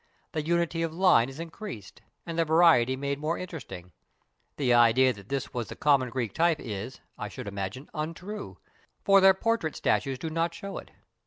The unity of line is increased, and the variety made more interesting. The idea that this was the common Greek type is, I should imagine, untrue, for their portrait statues do not show it.